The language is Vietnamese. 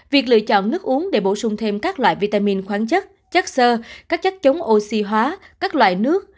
việc lựa chọn nước uống để bổ sung thêm các loại vitamin khoáng chất chất sơ các chất chống oxy hóa các loại nước